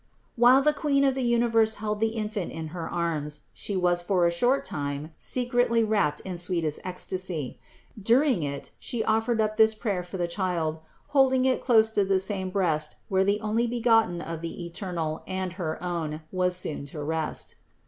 276. While the Queen of the Universe held the in fant in her arms, She was for a short time secretly wrapt in sweetest ecstasy; during it She offered up this prayer for the child, holding it close to the same breast where the Onlybegotten of the Eternal and her own was soon to rest.